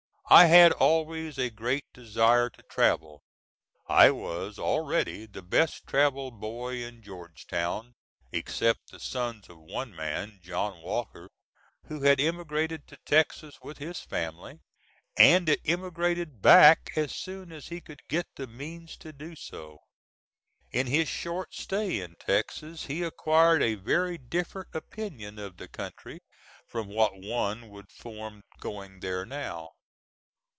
I had always a great desire to travel. I was already the best travelled boy in Georgetown, except the sons of one man, John Walker, who had emigrated to Texas with his family, and immigrated back as soon as he could get the means to do so. In his short stay in Texas he acquired a very different opinion of the country from what one would form going there now.